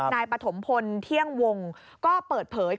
นายปฐมพลเที่ยงวงก็เปิดเผย